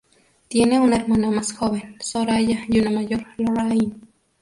Tiene una hermana más joven, Soraya, y una mayor, Lorraine.